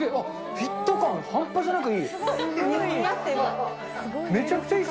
フィット感半端じゃなくいい。